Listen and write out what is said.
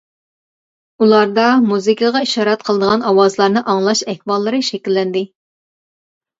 ئۇلاردا مۇزىكىغا ئىشارە قىلىدىغان ئاۋازلارنى ئاڭلاش ئەھۋاللىرى شەكىللەندى.